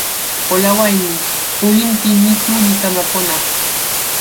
o lawa e ni: olin pi mi tu li kama pona.